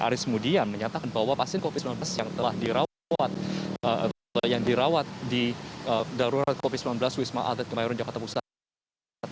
aris mudian menyatakan bahwa pasien covid sembilan belas yang telah dirawat atau yang dirawat di darurat covid sembilan belas wisma atlet kemayoran jakarta pusat